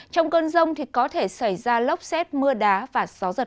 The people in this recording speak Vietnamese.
trong cơn rông có thể xảy ra lốc xếp mưa đá